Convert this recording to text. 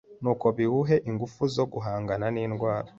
nuko biwuhe ingufu zo guhangana n’indwara